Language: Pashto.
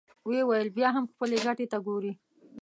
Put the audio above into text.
ويې ويل: بيا هم خپلې ګټې ته ګورې!